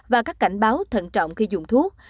và các cảnh báo thận trọng khi dùng thuốc